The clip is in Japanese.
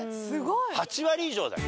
８割以上だよ。